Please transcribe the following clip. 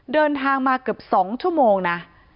เดินทางมาเกือบ๒ชั่วโมงนะ